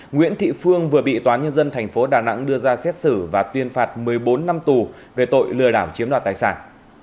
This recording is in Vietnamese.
nguyễn thị phương vừa bị tòa nhân dân tp đà nẵng đưa ra xét xử và tuyên phạt một mươi bốn năm tù về tội lừa đảo chiếm đoạt tài sản